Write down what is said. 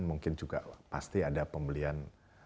mungkin juga pasti ada pembelian